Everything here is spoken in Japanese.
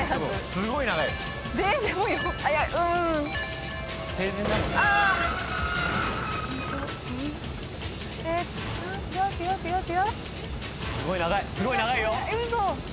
すごい長い！